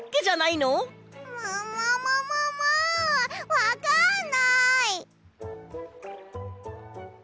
わかんない！